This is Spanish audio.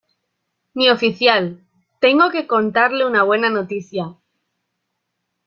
mi oficial, tengo que contarle una buena noticia.